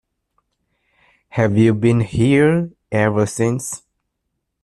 Have you been here ever since?